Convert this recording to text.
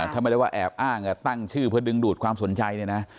ถ้าไม่ได้ว่าแอบอ้างตั้งชื่อเพื่อดึงดูดความสนใจเนี่ยนะ